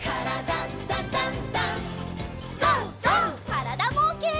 からだぼうけん。